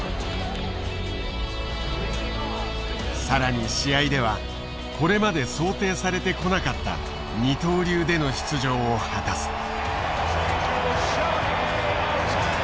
更に試合ではこれまで想定されてこなかった二刀流での出場を果たす。